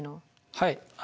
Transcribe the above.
はい。